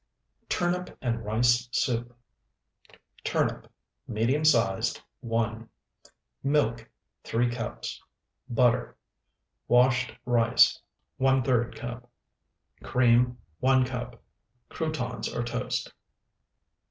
TURNIP AND RICE SOUP Turnip, medium sized, 1. Milk, 3 cups. Butter. Washed rice, ⅓ cup. Cream, 1 cup. Croutons or toast.